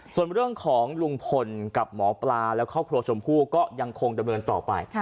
ส่วนเรื่องของลุงพลกับหมอปลาและครอบครัวชมพู่ก็ยังคงดำเนินต่อไป